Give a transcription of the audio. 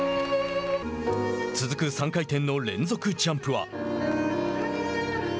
続く３回転の連続ジャンプは。